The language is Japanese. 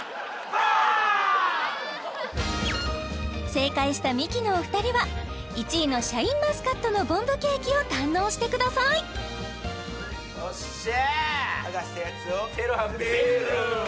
正解したミキのお二人は１位のシャインマスカットのボンブケーキを堪能してくださいよっしゃ！